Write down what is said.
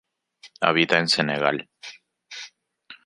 Habita en Senegal.